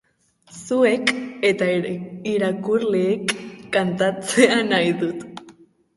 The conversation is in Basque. Zuek eta irakurleek kantatzea nahi dut.